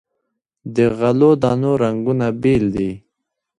د غلو دانو رنګونه بیل دي.